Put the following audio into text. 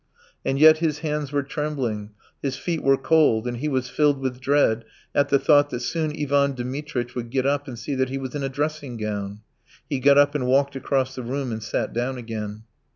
And yet his hands were trembling, his feet were cold, and he was filled with dread at the thought that soon Ivan Dmitritch would get up and see that he was in a dressing gown. He got up and walked across the room and sat down again.